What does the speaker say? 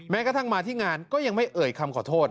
กระทั่งมาที่งานก็ยังไม่เอ่ยคำขอโทษ